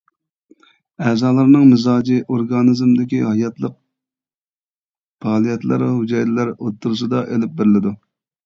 ئەزالارنىڭ مىزاجى ئورگانىزمىدىكى ھاياتلىق پائالىيەتلەر ھۈجەيرىلەر ئوتتۇرىسىدا ئېلىپ بېرىلىدۇ.